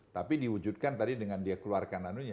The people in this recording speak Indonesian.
tapi diwujudkan tadi dengan dia keluarkan anunya